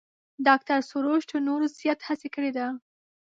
ډاکتر سروش تر نورو زیات هڅه کړې ده.